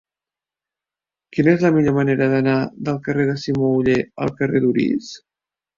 Quina és la millor manera d'anar del carrer de Simó Oller al carrer d'Orís?